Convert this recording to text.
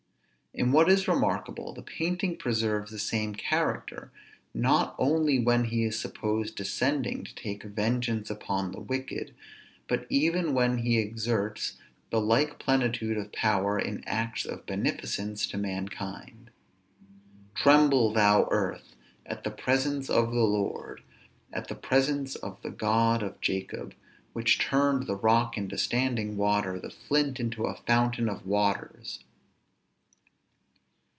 _ And what is remarkable, the painting preserves the same character, not only when he is supposed descending to take vengeance upon the wicked, but even when he exerts the like plenitude of power in acts of beneficence to mankind. _Tremble, thou earth! at the presence of the Lord; at the presence of the God of Jacob; which turned the rock into standing water, the flint into a fountain of waters!